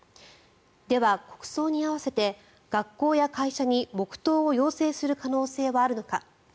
では、国葬に合わせて学校や会社に黙祷を要請する可能性はあるのか。